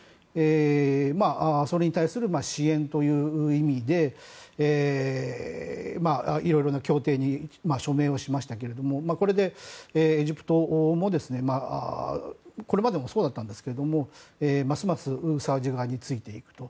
それに対する支援という意味でいろいろな協定に署名をしましたけどこれでエジプトも、これまでもそうだったんですけれどもますますサウジ側についていく。